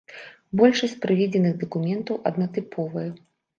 Большасць прыведзеных дакументаў аднатыповыя.